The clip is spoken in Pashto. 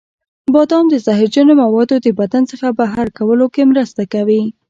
بادام د زهرجنو موادو د بدن څخه بهر کولو کې مرسته کوي.